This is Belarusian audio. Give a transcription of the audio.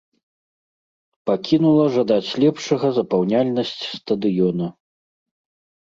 Пакінула жадаць лепшага запаўняльнасць стадыёна.